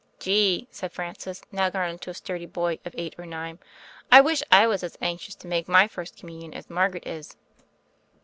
"Gee," said Francis, now grown into a sturdy boy of eight or nine, "I wish I was as anxious to make my First Communion as Margaret is."